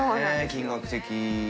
金額的。